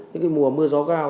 những cái mùa mưa gió cao